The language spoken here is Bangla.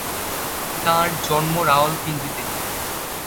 তাঁর জন্ম রাওয়ালপিন্ডিতে।